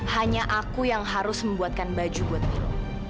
hanya aku yang harus membuatkan baju buat ibu